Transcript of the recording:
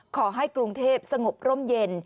ขอให้กรุงเทพสงบร่มเย็น